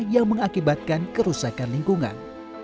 yang mengakibatkan kerusakan lingkungan